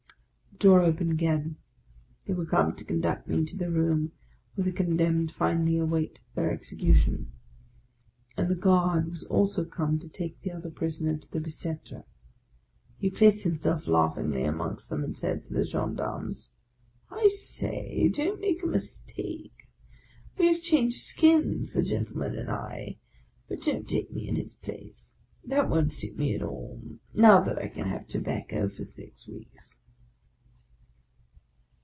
The door opened again. They were come to conduct me to the room where the condemned finally await their execu tion ; and the guard was also come to take the other prisoner to the Bicetre. He placed himself, laughingly, amongst them, and said to the gendarmes, —" I say, don't make a mistake ! We have changed skins, the gentleman and I; but don't take me in his place. That won't suit me at all, now that I can have tobacco for six weeks